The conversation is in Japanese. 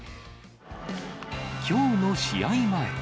きょうの試合前。